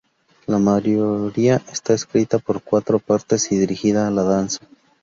La mayoría está escrita para cuatro partes, y dirigida a la danza.